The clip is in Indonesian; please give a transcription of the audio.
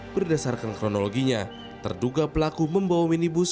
berdasarkan kronologinya terduga pelaku membawa minibus